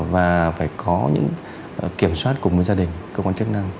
và phải có những kiểm soát cùng với gia đình cơ quan chức năng